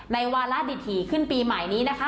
วาระดิถีขึ้นปีใหม่นี้นะคะ